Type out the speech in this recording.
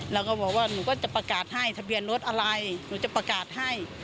แล้วก็บอกว่าหนูก็จะประกาศให้ทะเบียนรถอะไรหนูจะประกาศให้